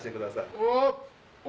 お！